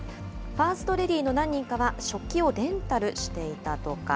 ファーストレディーの何人かは、食器をレンタルしていたとか。